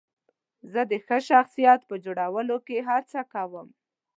زه د ښه شخصیت په جوړولو کې هڅه کوم.